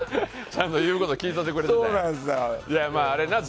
ちゃんと言うこと聞いといてくれたんや。